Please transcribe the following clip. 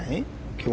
今日。